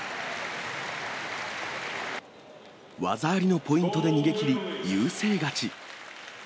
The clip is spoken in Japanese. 技ありのポイントで逃げきり、優勢勝ち。